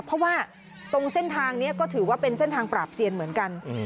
เพราะว่าตรงเส้นทางนี้ก็ถือว่าเป็นเส้นทางปราบเซียนเหมือนกัน